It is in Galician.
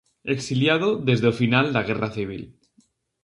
Exiliado desde o final da Guerra Civil.